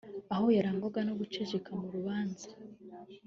aho yarangwaga no guceceka mu rubanza